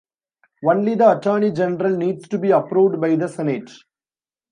Only the Attorney General needs to be approved by the Senate.